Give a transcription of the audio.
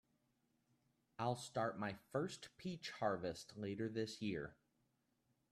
I'll start my first peach harvest later this year.